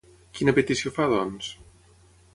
Quina petició fa, doncs?